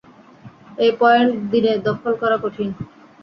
এই পয়েন্ট দিনে দখল করা কঠিন।